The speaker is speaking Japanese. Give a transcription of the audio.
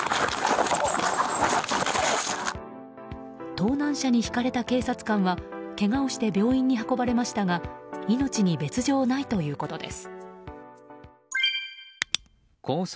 盗難車にひかれた警察官はけがをして病院に運ばれましたが命に別条ないということです。